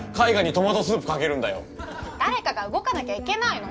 誰かが動かなきゃいけないの。